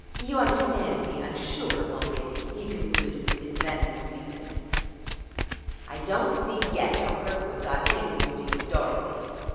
You understand me, I'm sure, Mulready?" he concluded with envenomed sweetness. "I don't see yet how Kirkwood got anything to do with Dorothy."